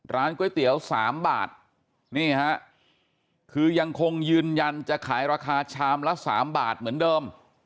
ร้านก๋วยเตี๋ยว๓บาทนี่ฮะคือยังคงยืนยันจะขายราคาชามละ๓บาทเหมือนเดิม